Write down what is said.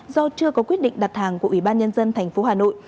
do chưa có quyết định đặt hàng của ủy ban nhân dân thành phố hà nội